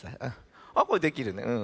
あっこれできるね。